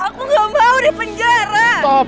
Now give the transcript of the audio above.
aku gak mau di penjara